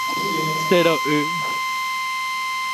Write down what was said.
Chero'y.